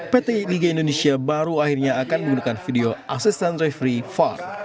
pt liga indonesia baru akhirnya akan menggunakan video asisten refree var